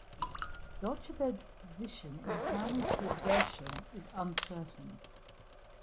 Jochebed's position in the family tree of Gershon is uncertain.